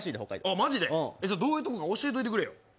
マジで、どういうところがええか教えておいてくれる？